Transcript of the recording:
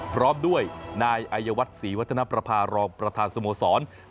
พร้อมด้วยนายอายวัฒนศรีวัฒนประภารองประธานสโมสร